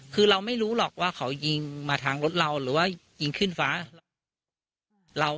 คือเราไม่รู้หรอกว่าเขายิงมาทางรถเราหรือว่ายิงขึ้นฟ้า